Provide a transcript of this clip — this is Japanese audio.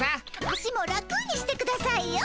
足も楽にしてくださいよ。